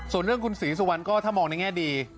ส่วนเรื่องคุณศรีสุวรรณก็ถ้ามองในแง่ดี